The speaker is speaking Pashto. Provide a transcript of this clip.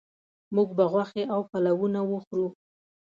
موږ به غوښې او پلونه وخورو